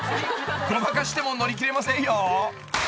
［ごまかしても乗り切れませんよ］